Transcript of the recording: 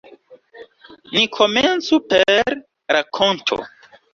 Ni komencu per rakonto.